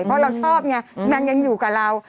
เพราะเราชอบเนี่ยนางยังอยู่กับเรา